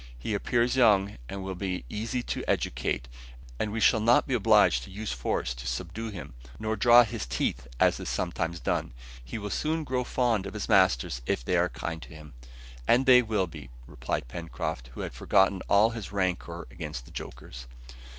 "He appears young, and will be easy to educate, and we shall not be obliged to use force to subdue him, nor draw his teeth, as is sometimes done. He will soon grow fond of his masters if they are kind to him." "And they will be," replied Pencroft, who had forgotten all his rancour against "the jokers."